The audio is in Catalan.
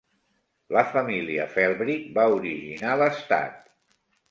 La família Felbrigg va originar l'estat.